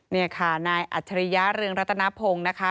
นี่ค่ะนายอัจฉริยะเรืองรัตนพงศ์นะคะ